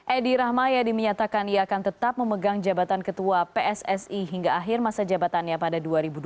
edi rahmayadi menyatakan ia akan tetap memegang jabatan ketua pssi hingga akhir masa jabatannya pada dua ribu dua puluh